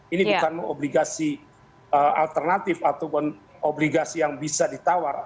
ini bukan obligasi alternatif ataupun obligasi yang bisa ditawar